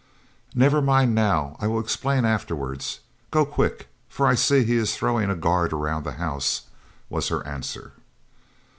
"Never mind now, I will explain afterwards. Go quick, for I see he is throwing a guard around the house," was her answer.